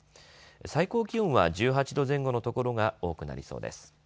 最高気温は１８度前後の所が多くなりそうです。